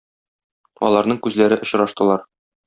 Аларның күзләре очраштылар.